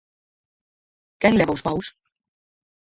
¿Quen leva os paus?